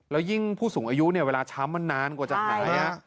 แล้วยิ่งผู้สูงอายุเนี่ยเวลาช้ำมันนานกว่าจะหาย